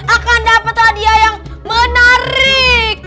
akan dapat hadiah yang menarik